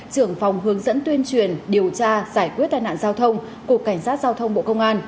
trưởng phòng hướng dẫn tuyên truyền điều tra giải quyết tai nạn giao thông cục cảnh sát giao thông bộ công an